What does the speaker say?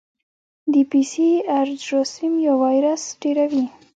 د پی سي ار جراثیم یا وایرس ډېروي.